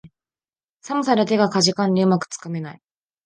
寒さで手がかじかんで、うまくつかめない